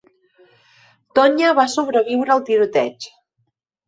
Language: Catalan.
Tonya va sobreviure al tiroteig.